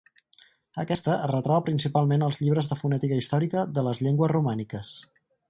Aquesta es retroba principalment als llibres de fonètica històrica de les llengües romàniques.